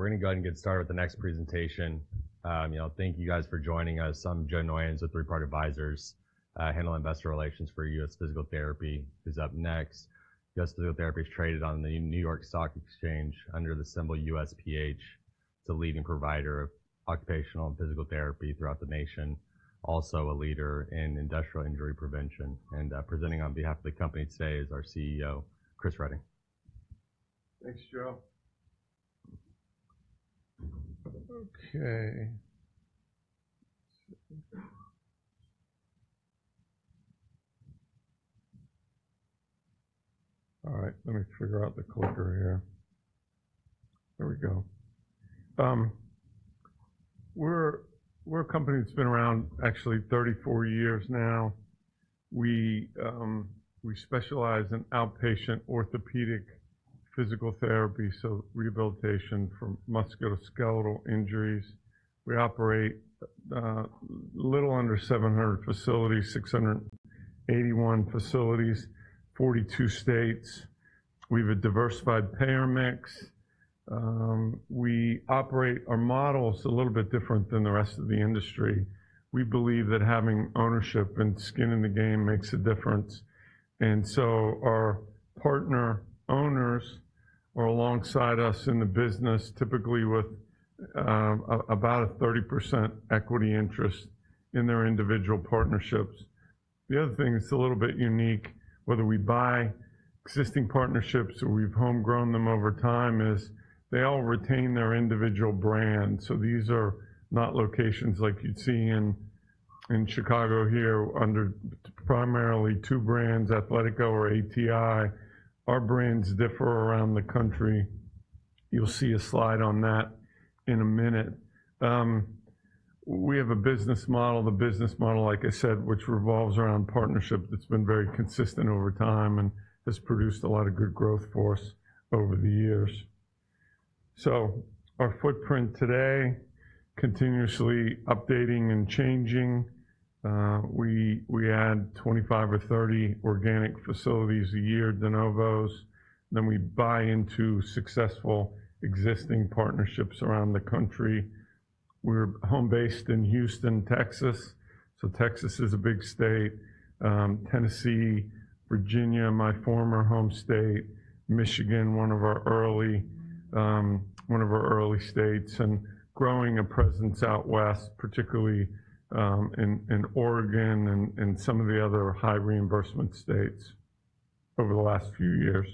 All right, we're gonna go ahead and get started with the next presentation. You know, thank you guys for joining us. I'm Joe Noyons with Three Part Advisors. Handling investor relations for U.S. Physical Therapy is up next. U.S. Physical Therapy is traded on the New York Stock Exchange under the symbol USPH. It's a leading provider of occupational and physical therapy throughout the nation. Also a leader in industrial injury prevention, and presenting on behalf of the company today is our CEO, Chris Reading. Thanks, Joe. Okay. All right, let me figure out the clicker here. There we go. We're a company that's been around actually 34 years now. We specialize in outpatient orthopedic physical therapy, so rehabilitation from musculoskeletal injuries. We operate little under 700 facilities, 681 facilities, 42 states. We have a diversified payer mix. We operate our model is a little bit different than the rest of the industry. We believe that having ownership and skin in the game makes a difference, and so our partner owners are alongside us in the business, typically with about a 30% equity interest in their individual partnerships. The other thing that's a little bit unique, whether we buy existing partnerships or we've home grown them over time, is they all retain their individual brands. So these are not locations like you'd see in Chicago here, under primarily two brands, Athletico or ATI. Our brands differ around the country. You'll see a slide on that in a minute. We have a business model, the business model, like I said, which revolves around partnership, that's been very consistent over time and has produced a lot of good growth for us over the years. So our footprint today, continuously updating and changing. We add 25 or 30 organic facilities a year, de novos, then we buy into successful existing partnerships around the country. We're home-based in Houston, Texas. Texas is a big state, Tennessee, Virginia, my former home state, Michigan, one of our early states, and growing a presence out west, particularly in Oregon and some of the other high reimbursement states over the last few years.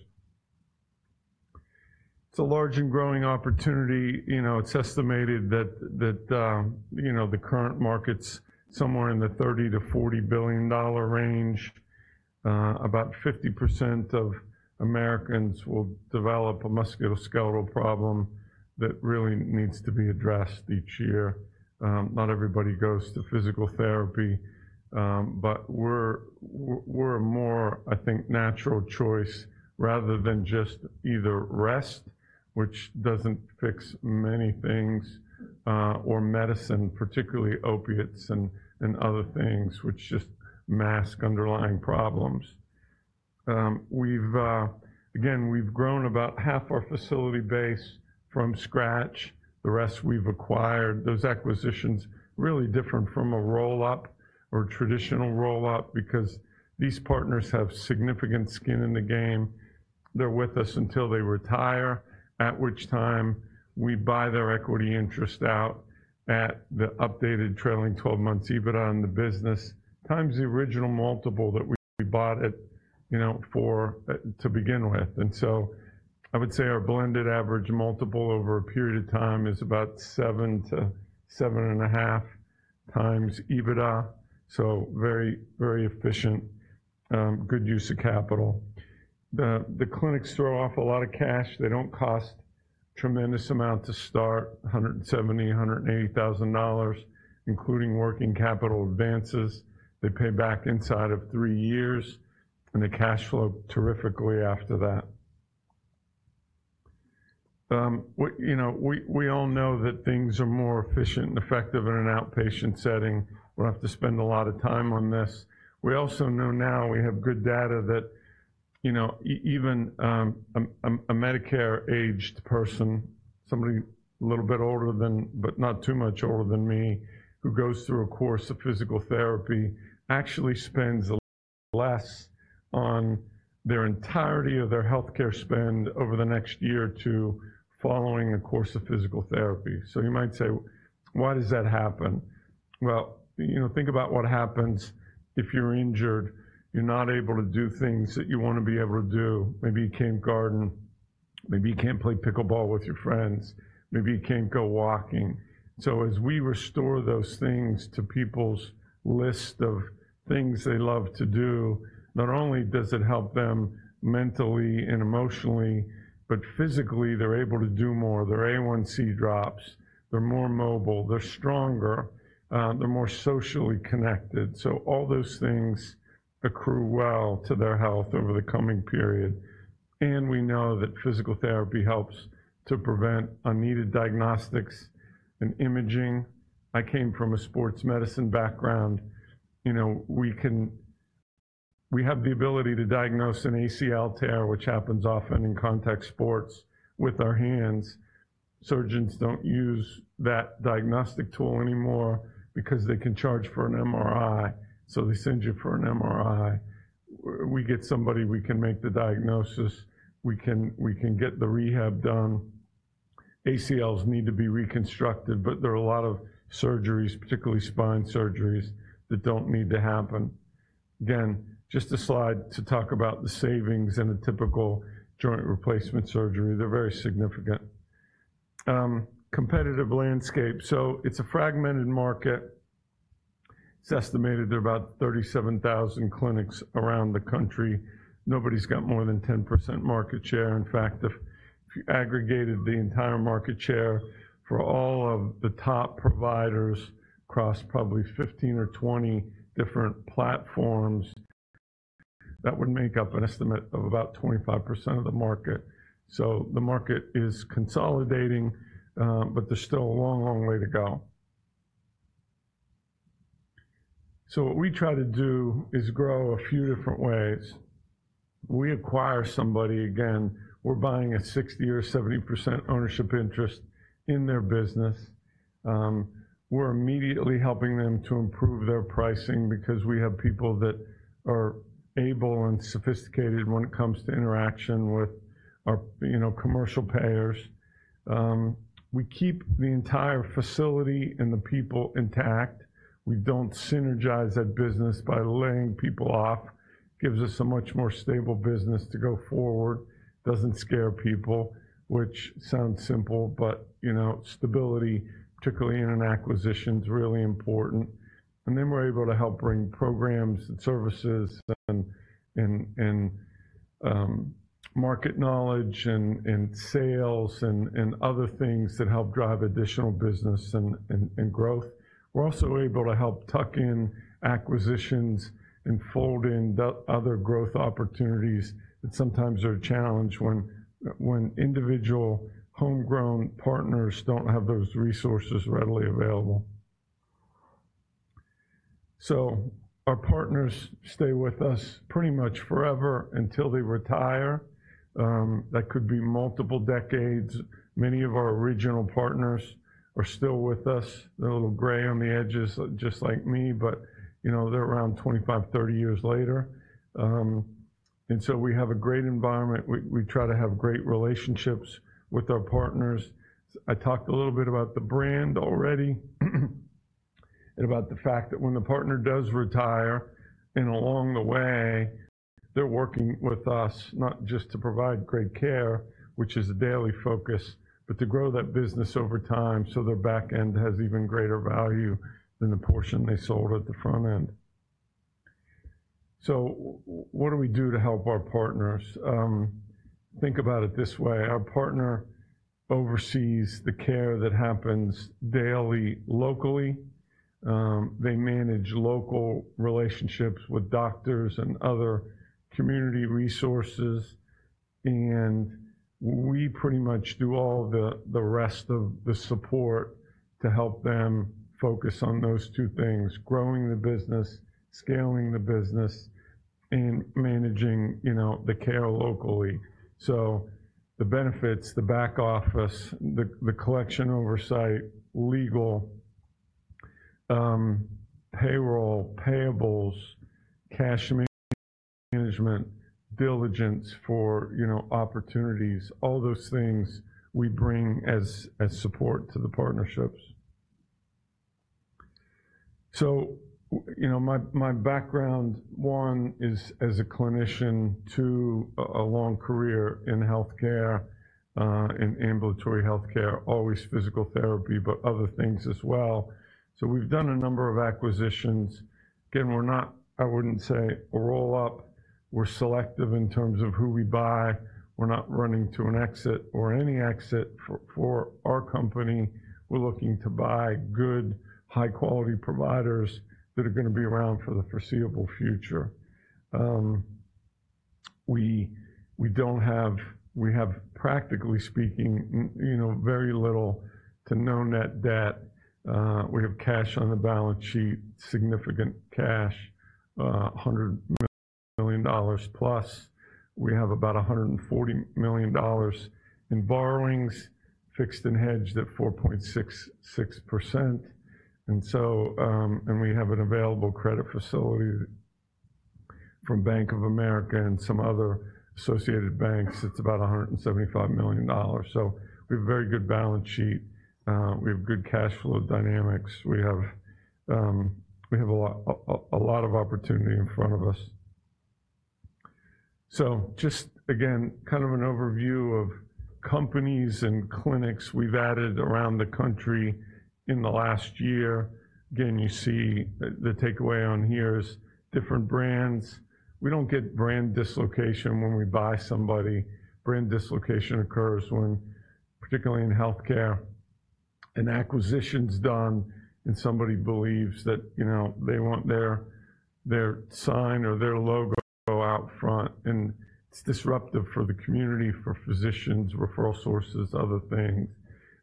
It's a large and growing opportunity. You know, it's estimated that the current market's somewhere in the $30 billion-$40 billion range. About 50% of Americans will develop a musculoskeletal problem that really needs to be addressed each year. Not everybody goes to physical therapy, but we're a more, I think, natural choice rather than just either rest, which doesn't fix many things, or medicine, particularly opiates and other things which just mask underlying problems. We've... Again, we've grown about half our facility base from scratch, the rest we've acquired. Those acquisitions really different from a roll-up or traditional roll-up because these partners have significant skin in the game. They're with us until they retire, at which time we buy their equity interest out at the updated trailing 12 months EBITDA in the business, times the original multiple that we bought it, you know, for to begin with. And so I would say our blended average multiple over a period of time is about 7-7.5 times EBITDA, so very, very efficient, good use of capital. The clinics throw off a lot of cash. They don't cost tremendous amount to start, $170,000-$180,000, including working capital advances. They pay back inside of three years, and they cash flow terrifically after that. You know, we all know that things are more efficient and effective in an outpatient setting. We don't have to spend a lot of time on this. We also know now we have good data that, you know, even a Medicare-aged person, somebody a little bit older than, but not too much older than me, who goes through a course of physical therapy, actually spends less on the entirety of their healthcare spend over the next year or two following a course of physical therapy. So you might say: Why does that happen? Well, you know, think about what happens if you're injured, you're not able to do things that you wanna be able to do. Maybe you can't garden, maybe you can't play pickleball with your friends, maybe you can't go walking. So as we restore those things to people's list of things they love to do, not only does it help them mentally and emotionally, but physically, they're able to do more. Their A1C drops, they're more mobile, they're stronger, they're more socially connected. So all those things accrue well to their health over the coming period. And we know that physical therapy helps to prevent unneeded diagnostics and imaging. I came from a sports medicine background. You know, we have the ability to diagnose an ACL tear, which happens often in contact sports, with our hands. Surgeons don't use that diagnostic tool anymore because they can charge for an MRI, so they send you for an MRI. We get somebody, we can make the diagnosis, we can get the rehab done. ACLs need to be reconstructed, but there are a lot of surgeries, particularly spine surgeries, that don't need to happen. Again, just a slide to talk about the savings in a typical joint replacement surgery. They're very significant. Competitive landscape. So it's a fragmented market. It's estimated there are about 37,000 clinics around the country. Nobody's got more than 10% market share. In fact, if you aggregated the entire market share for all of the top providers across probably 15 or 20 different platforms, that would make up an estimate of about 25% of the market. So the market is consolidating, but there's still a long, long way to go. So what we try to do is grow a few different ways. We acquire somebody, again, we're buying a 60% or 70% ownership interest in their business. We're immediately helping them to improve their pricing because we have people that are able and sophisticated when it comes to interaction with our, you know, commercial payers. We keep the entire facility and the people intact. We don't synergize that business by laying people off. Gives us a much more stable business to go forward, doesn't scare people, which sounds simple, but, you know, stability, particularly in an acquisition, is really important. And then we're able to help bring programs and services and market knowledge and sales and other things that help drive additional business and growth. We're also able to help tuck in acquisitions and fold in the other growth opportunities that sometimes are a challenge when individual homegrown partners don't have those resources readily available. So our partners stay with us pretty much forever until they retire. That could be multiple decades. Many of our original partners are still with us. They're a little gray on the edges, just like me, but, you know, they're around 25, 30 years later, and so we have a great environment. We try to have great relationships with our partners. I talked a little bit about the brand already, and about the fact that when the partner does retire and along the way, they're working with us, not just to provide great care, which is a daily focus, but to grow that business over time, so their back end has even greater value than the portion they sold at the front end. So what do we do to help our partners? Think about it this way: Our partner oversees the care that happens daily, locally. They manage local relationships with doctors and other community resources, and we pretty much do all the rest of the support to help them focus on those two things: growing the business, scaling the business, and managing, you know, the care locally. So the benefits, the back office, the collection oversight, legal, payroll, payables, cash management, diligence for, you know, opportunities, all those things we bring as support to the partnerships. So, you know, my background, one, is as a clinician, two, a long career in healthcare, in ambulatory healthcare, always physical therapy, but other things as well. So we've done a number of acquisitions. Again, we're not... I wouldn't say a roll-up. We're selective in terms of who we buy. We're not running to an exit or any exit. For our company, we're looking to buy good, high-quality providers that are gonna be around for the foreseeable future. We don't have. We have, practically speaking, you know, very little to no net debt. We have cash on the balance sheet, significant cash, $100 million plus. We have about $140 million in borrowings, fixed and hedged at 4.66%. So, and we have an available credit facility from Bank of America and some other associated banks. It's about $175 million. We have a very good balance sheet. We have good cash flow dynamics. We have a lot of opportunity in front of us, so just again, kind of an overview of companies and clinics we've added around the country in the last year. Again, you see the takeaway on here is different brands. We don't get brand dislocation when we buy somebody. Brand dislocation occurs when, particularly in healthcare, an acquisition's done, and somebody believes that, you know, they want their sign or their logo out front, and it's disruptive for the community, for physicians, referral sources, other things.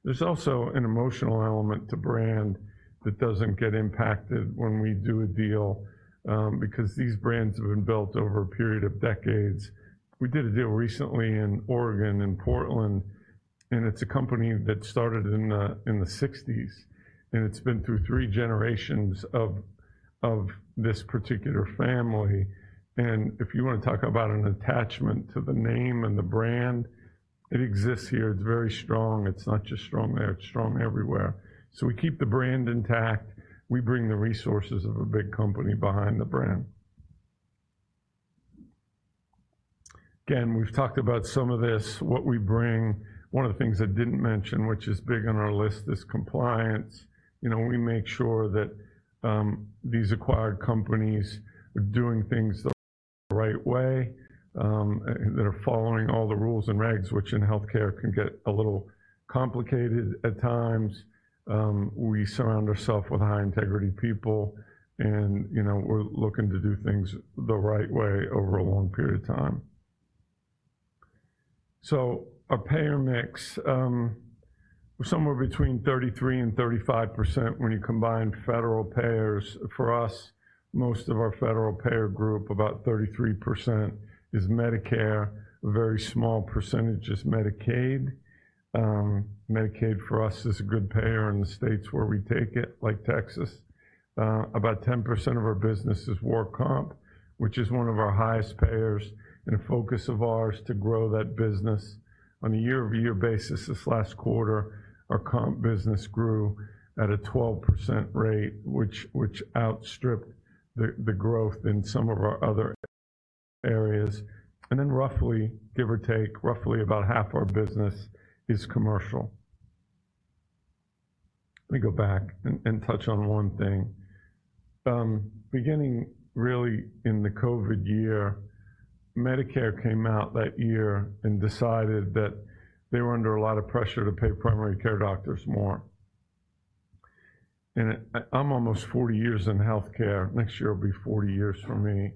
There's also an emotional element to brand that doesn't get impacted when we do a deal, because these brands have been built over a period of decades. We did a deal recently in Oregon, in Portland, and it's a company that started in the 1960s, and it's been through three generations of this particular family, and if you want to talk about an attachment to the name and the brand, it exists here. It's very strong. It's not just strong there, it's strong everywhere. So we keep the brand intact. We bring the resources of a big company behind the brand. Again, we've talked about some of this, what we bring. One of the things I didn't mention, which is big on our list, is compliance. You know, we make sure that these acquired companies are doing things the right way, that are following all the rules and regs, which in healthcare can get a little complicated at times. We surround ourselves with high integrity people, and, you know, we're looking to do things the right way over a long period of time. So our payer mix somewhere between 33% and 35% when you combine federal payers. For us, most of our federal payer group, about 33% is Medicare. A very small percentage is Medicaid. Medicaid for us is a good payer in the states where we take it, like Texas. About 10% of our business is work comp, which is one of our highest payers and a focus of ours to grow that business. On a year-over-year basis, this last quarter, our comp business grew at a 12% rate, which outstripped the growth in some of our other areas. Roughly, give or take, about half our business is commercial. Let me go back and touch on one thing. Beginning really in the COVID year, Medicare came out that year and decided that they were under a lot of pressure to pay primary care doctors more. I'm almost 40 years in healthcare. Next year will be 40 years for me.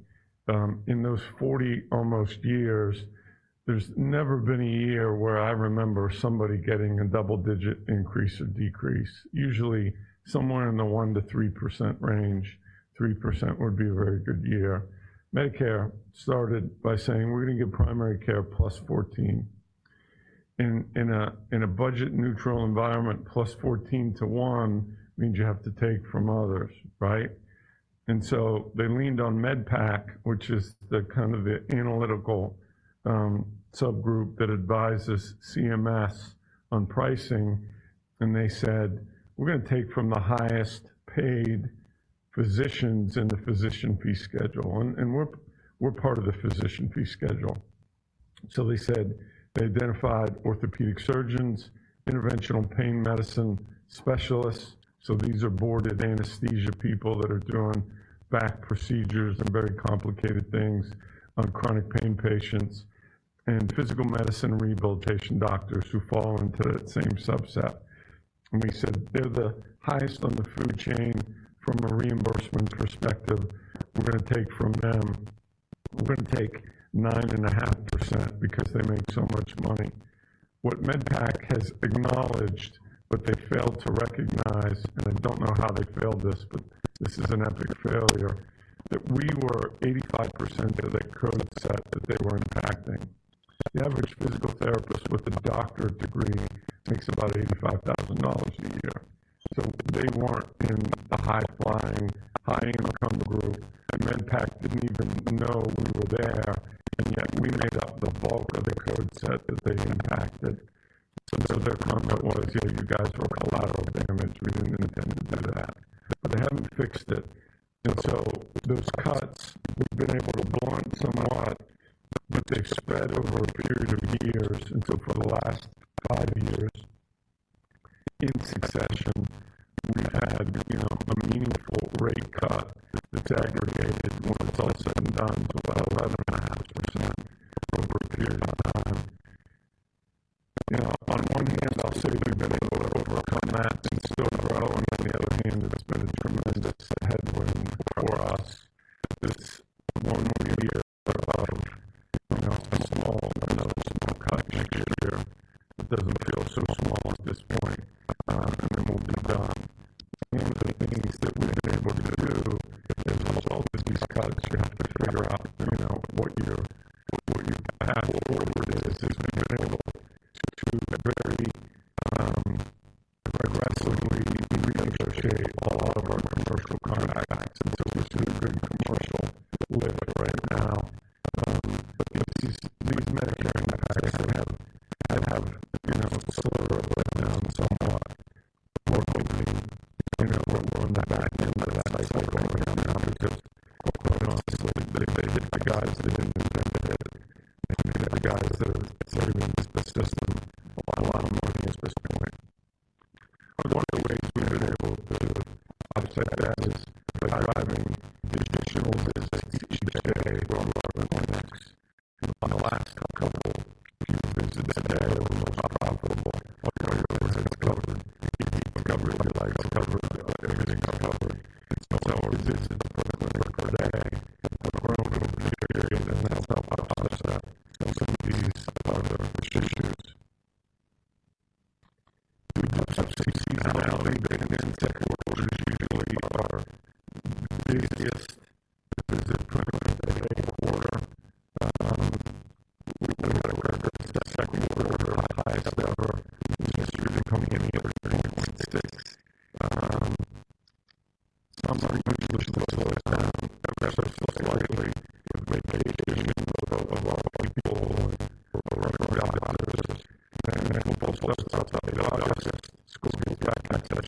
In those 40 almost years, there's never been a year where I remember somebody getting a double-digit increase or decrease, usually somewhere in the 1%-3% range, 3% would be a very good year. Medicare started by saying, "We're going to give primary care +14." In a budget-neutral environment, +14:1 means you have to take from others, right? And so they leaned on MedPAC, which is the analytical subgroup that advises CMS on pricing, and they said, "We're going to take from the highest-paid physicians in the Physician Fee Schedule," and we're part of the Physician Fee Schedule. So they said they identified orthopedic surgeons, interventional pain medicine specialists, so these are boarded anesthesia people that are doing back procedures and very complicated things on chronic pain patients, and physical medicine rehabilitation doctors who fall into that same subset. And they said, "They're the highest on the food chain from a reimbursement perspective. We're gonna take from them. We're gonna take 9.5% because they make so much money." What MedPAC has acknowledged, but they failed to recognize, and I don't know how they failed this, but this is an epic failure, that we were 85% of that code set that they were impacting. The average physical therapist with a doctorate degree makes about $85,000 a year.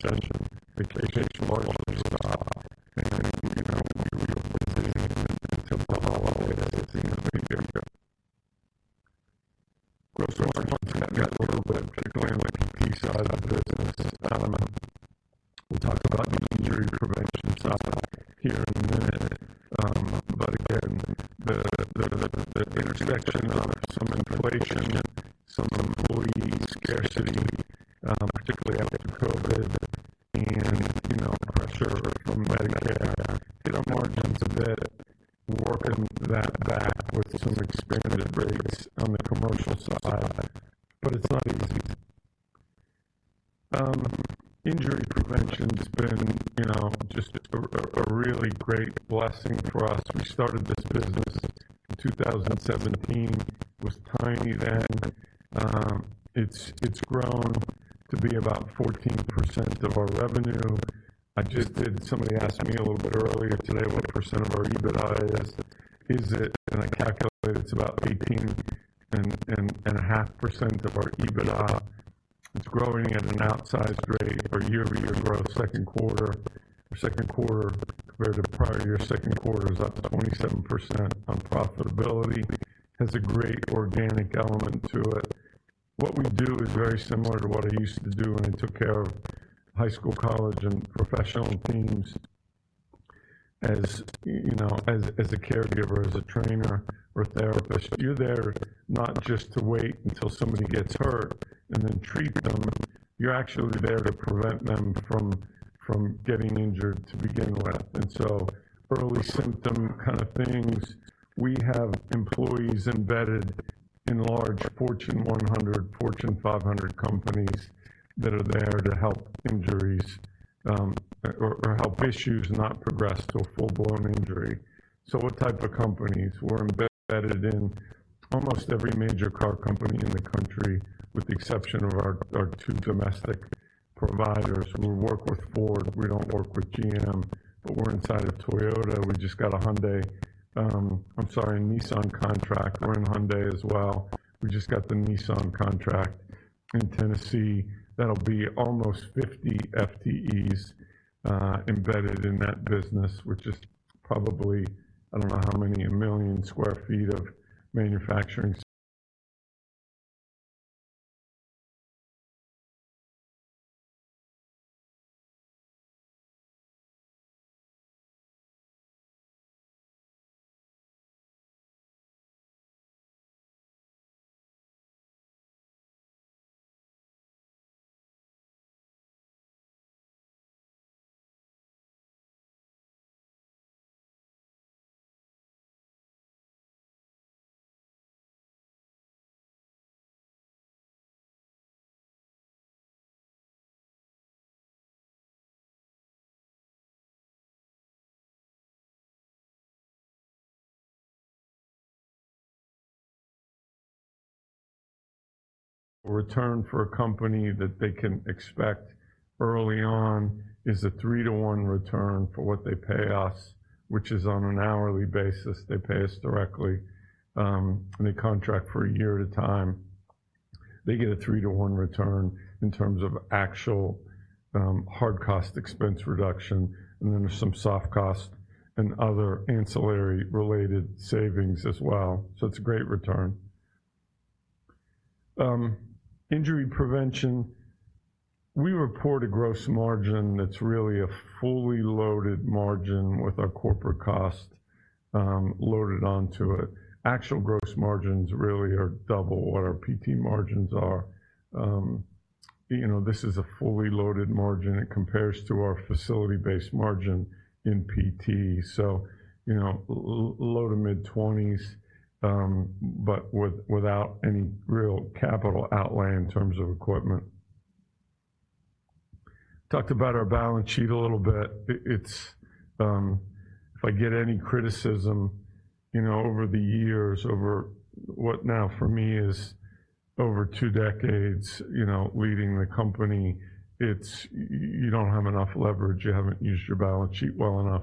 no visits to the clinic per day. The clinical period and then help after that. Some of these are the issues. We have some seasonality, and second quarters usually are the biggest visit per day quarter. We coming out of record second quarter, our highest ever. Visitors are coming in every 0.06. Some of our utilization goes down, perhaps slightly, with vacation of a lot of people and referral doctors. Then people stop the doctor, school's back in session, vacations largely stop. You know, New York City and the Hamptons, as it seems to be. There we go. Gross margins in that quarter, but particularly on the PT side of the business. We'll talk about the injury prevention side here in a minute. But again, the intersection of some inflation and some employee scarcity, particularly after COVID and, you know, pressure from Medicare hit our margins a bit, working that back with some expanded rates on the commercial side, but it's not easy. Injury prevention's been, you know, just a really great blessing for us. We started this business in 2017, was tiny then. It's grown to be about 14% of our revenue. Somebody asked me a little bit earlier today, what percent of our EBITDA is? I calculated it's about 18.5% of our EBITDA. It's growing at an outsized rate. Our year-over-year growth, second quarter. Our second quarter compared to prior year, second quarter is up 27% on profitability. Has a great organic element to it. What we do is very similar to what I used to do when I took care of high school, college, and professional teams. As you know, as a caregiver, as a trainer or therapist, you're there not just to wait until somebody gets hurt and then treat them, you're actually there to prevent them from getting injured to begin with, and so early symptom kind of things. We have employees embedded in large Fortune 100, Fortune 500 companies that are there to help injuries, or help issues not progress to a full-blown injury. What type of companies? We're embedded in almost every major car company in the country, with the exception of our two domestic providers. We work with Ford, we don't work with GM, but we're inside of Toyota. We just got a Hyundai, I'm sorry, Nissan contract. We're in Hyundai as well. We just got the Nissan contract in Tennessee. That'll be almost 50 FTEs embedded in that business, which is probably, I don't know, a million sq ft of manufacturing. Return for a company that they can expect early on is a 3:1 return for what they pay us, which is on an hourly basis. They pay us directly, and they contract for a year at a time. They get a 3:1 return in terms of actual, hard cost expense reduction, and then there's some soft cost and other ancillary related savings as well, so it's a great return. Injury prevention, we report a gross margin that's really a fully loaded margin with our corporate cost, loaded onto it. Actual gross margins really are double what our PT margins are. You know, this is a fully loaded margin. It compares to our facility-based margin in PT, so, you know, low to mid-20s, but without any real capital outlay in terms of equipment. Talked about our balance sheet a little bit. It's, if I get any criticism, you know, over the years, over what now for me is over two decades, you know, leading the company, it's you, you don't have enough leverage. You haven't used your balance sheet well enough.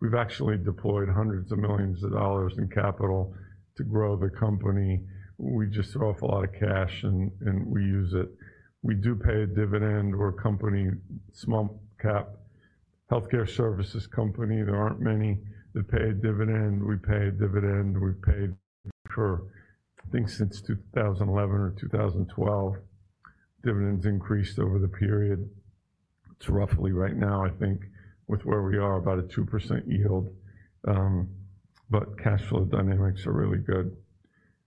We've actually deployed hundreds of millions of dollars in capital to grow the company. We just throw off a lot of cash and we use it. We do pay a dividend. We're a company, small cap, healthcare services company. There aren't many that pay a dividend. We pay a dividend. We've paid for, I think, since 2011 or 2012. Dividends increased over the period. It's roughly right now, I think, with where we are, about a 2% yield. But cash flow dynamics are really good.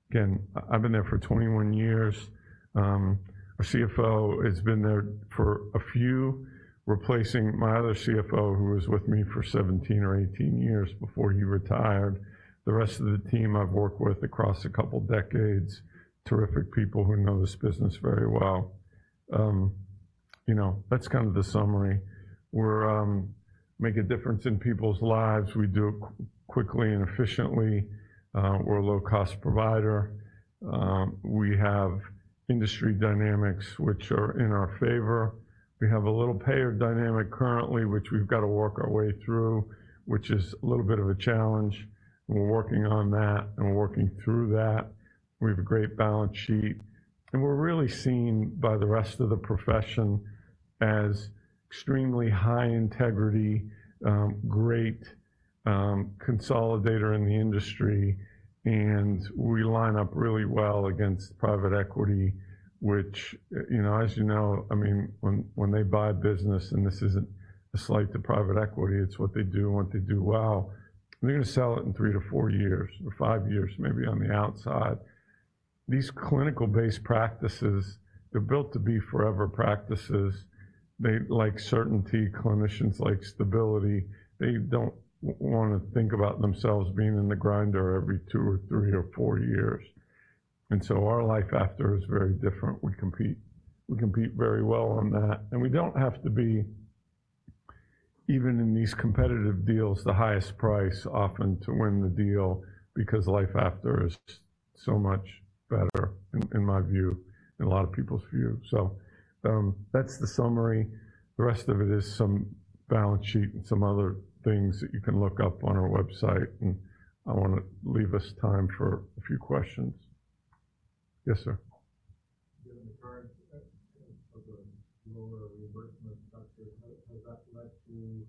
Again, I've been there for 21 years. Our CFO has been there for a few, replacing my other CFO, who was with me for 17 or 18 years before he retired. The rest of the team I've worked with across a couple of decades, terrific people who know this business very well. You know, that's kind of the summary. We're make a difference in people's lives. We do it quickly and efficiently. We're a low-cost provider. We have industry dynamics, which are in our favor. We have a little payer dynamic currently, which we've got to work our way through, which is a little bit of a challenge. We're working on that, and we're working through that. We have a great balance sheet, and we're really seen by the rest of the profession as extremely high integrity, great consolidator in the industry, and we line up really well against private equity, which, you know, as you know, I mean, when, when they buy a business, and this isn't a slight to private equity, it's what they do, and what they do well, they're going to sell it in three to four years or five years, maybe on the outside. These clinical-based practices, they're built to be forever practices. They like certainty, clinicians like stability. They don't wanna think about themselves being in the grinder every two or three or four years, and so our life after is very different. We compete, we compete very well on that, and we don't have to be, even in these competitive deals, the highest price often to win the deal, because life after is so much better, in, in my view, in a lot of people's view. So, that's the summary. The rest of it is some balance sheet and some other things that you can look up on our website, and I wanna leave us time for a few questions. Yes, sir? Given the current lower reimbursement structure, has that led to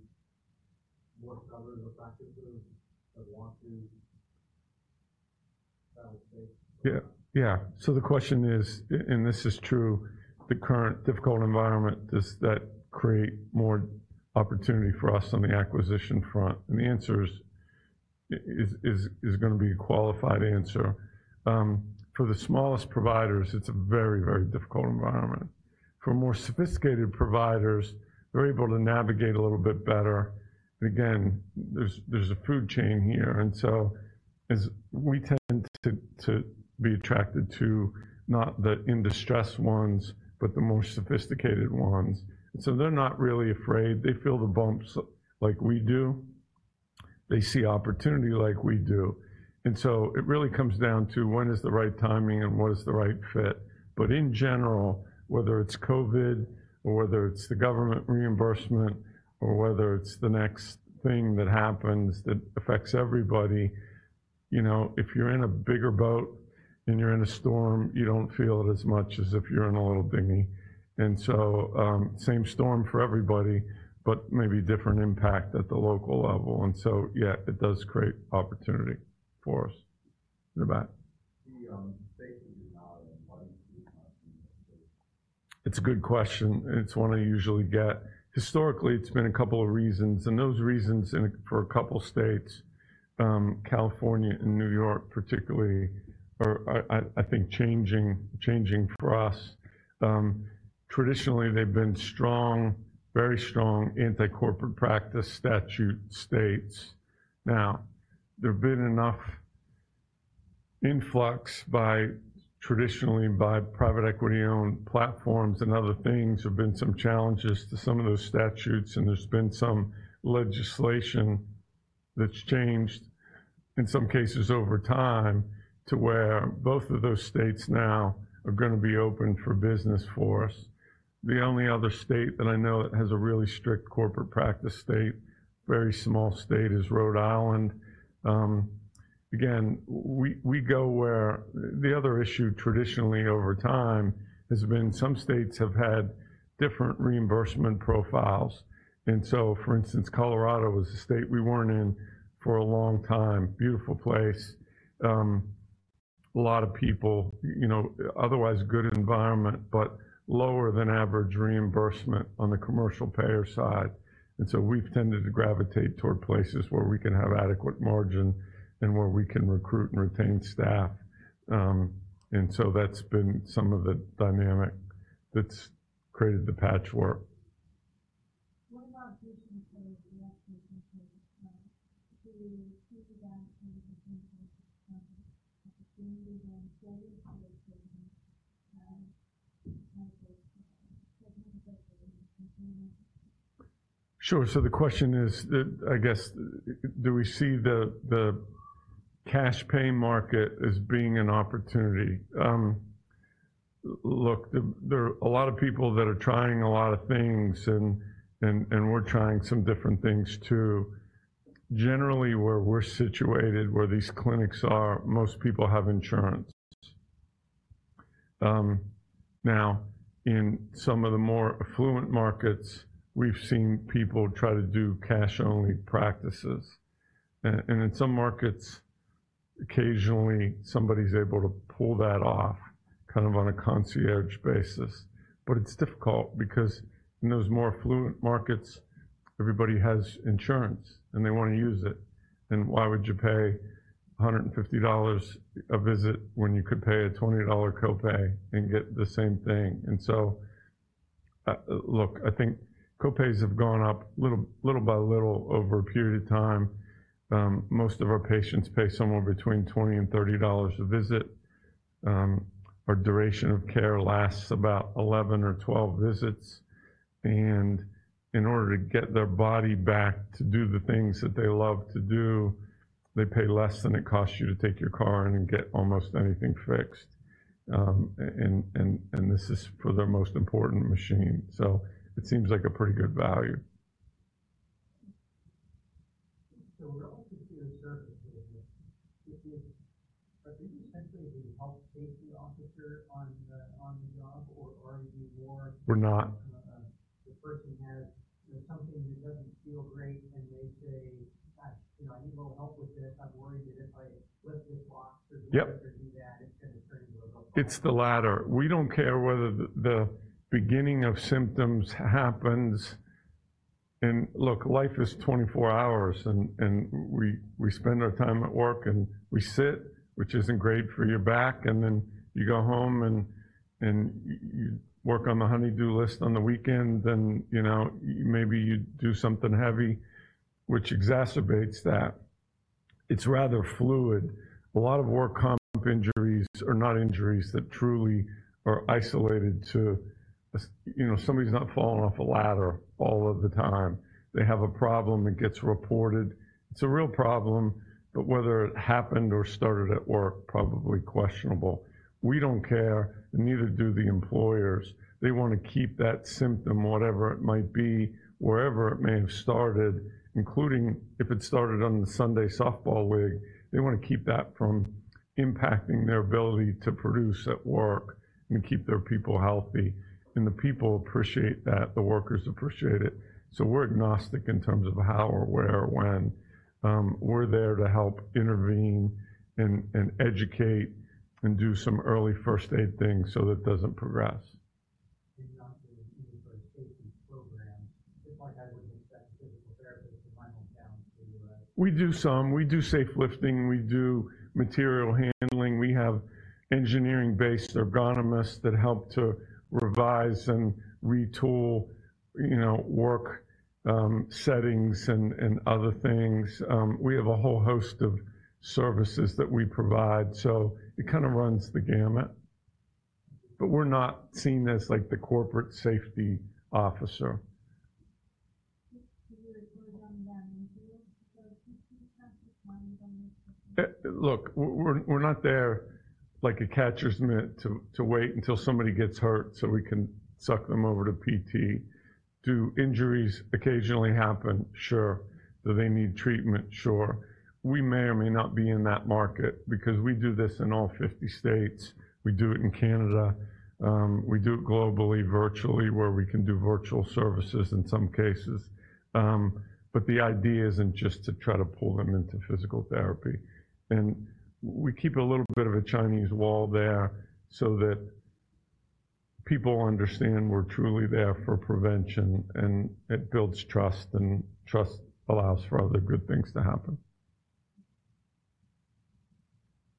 more closures or practices that want to stay? Yeah. Yeah. So the question is, and this is true, the current difficult environment, does that create more opportunity for us on the acquisition front? And the answer is gonna be a qualified answer. For the smallest providers, it's a very, very difficult environment. For more sophisticated providers, they're able to navigate a little bit better. Again, there's a food chain here, and so as we tend to be attracted to not the distressed ones, but the more sophisticated ones. So they're not really afraid. They feel the bumps like we do. They see opportunity like we do. And so it really comes down to when is the right timing and what is the right fit. But in general, whether it's COVID or whether it's the government reimbursement or whether it's the next thing that happens that affects everybody, you know, if you're in a bigger boat and you're in a storm, you don't feel it as much as if you're in a little dinghy. And so, same storm for everybody, but maybe different impact at the local level. And so, yeah, it does create opportunity for us. In the back. The states that you're not in, why is this not in the state? It's a good question, and it's one I usually get. Historically, it's been a couple of reasons, and those reasons for a couple states, California and New York, particularly, are, I think, changing for us. Traditionally, they've been strong, very strong anti-corporate practice statute states. Now, there have been enough influx by, traditionally, by private equity-owned platforms and other things have been some challenges to some of those statutes, and there's been some legislation that's changed, in some cases over time, to where both of those states now are gonna be open for business for us. The only other state that I know that has a really strict corporate practice state, very small state, is Rhode Island. Again, we go where... The other issue, traditionally, over time, has been some states have had different reimbursement profiles. And so, for instance, Colorado was a state we weren't in for a long time. Beautiful place, a lot of people, you know, otherwise good environment, but lower than average reimbursement on the commercial payer side. And so we've tended to gravitate toward places where we can have adequate margin and where we can recruit and retain staff. And so that's been some of the dynamic that's created the patchwork. What about patients who actually? Sure. So the question is, I guess, do we see the cash pay market as being an opportunity? Look, there are a lot of people that are trying a lot of things, and we're trying some different things, too. Generally, where we're situated, where these clinics are, most people have insurance. Now, in some of the more affluent markets, we've seen people try to do cash-only practices. And in some markets, occasionally, somebody's able to pull that off, kind of on a concierge basis. But it's difficult because in those more affluent markets, everybody has insurance, and they wanna use it, and why would you pay $150 a visit when you could pay a $20 copay and get the same thing? And so, look, I think copays have gone up little by little over a period of time. Most of our patients pay somewhere between $20 and $30 a visit. Our duration of care lasts about 11 or 12 visits, and in order to get their body back to do the things that they love to do, they pay less than it costs you to take your car in and get almost anything fixed. And this is for their most important machine, so it seems like a pretty good value. So we're all familiar with services. Are you essentially the health safety officer on the job, or are you more- We're not. The person has something that doesn't feel great, and they say, "You know, I need a little help with this. I'm worried that if I lift this box- Yep. or do that, it's gonna turn into a- It's the latter. We don't care whether the beginning of symptoms happens. And look, life is 24 hours, and we spend our time at work, and we sit, which isn't great for your back, and then you go home and you work on the honey-do list on the weekend, then, you know, maybe you do something heavy, which exacerbates that. It's rather fluid. A lot of work comp injuries are not injuries that truly are isolated to a. You know, somebody's not falling off a ladder all of the time. They have a problem, it gets reported. It's a real problem, but whether it happened or started at work, probably questionable. We don't care, and neither do the employers. They wanna keep that symptom, whatever it might be, wherever it may have started, including if it started on the Sunday softball league. They wanna keep that from impacting their ability to produce at work and keep their people healthy. And the people appreciate that. The workers appreciate it. So we're agnostic in terms of the how or where or when. We're there to help intervene and educate and do some early first aid things, so that it doesn't progress. Agnostic in terms of safety programs, just like I would expect physical therapists to funnel down to the, We do some. We do safe lifting. We do material handling. We have engineering-based ergonomists that help to revise and retool, you know, work, settings and other things. We have a whole host of services that we provide, so it kinda runs the gamut, but we're not seen as, like, the corporate safety officer. Look, we're not there like a catcher's mitt to wait until somebody gets hurt, so we can suck them over to PT. Do injuries occasionally happen? Sure. Do they need treatment? Sure. We may or may not be in that market because we do this in all fifty states. We do it in Canada. We do it globally, virtually, where we can do virtual services in some cases, but the idea isn't just to try to pull them into physical therapy. We keep a little bit of a Chinese wall there so that people understand we're truly there for prevention, and it builds trust, and trust allows for other good things to happen.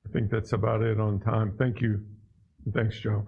I think that's about it on time. Thank you. Thanks, Joe.